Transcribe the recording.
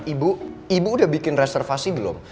ibu ibu udah bikin reservasi belum